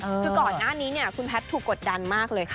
คือก่อนหน้านี้เนี่ยคุณแพทย์ถูกกดดันมากเลยค่ะ